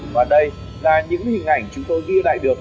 và đây là những hình ảnh chúng tôi ghi lại được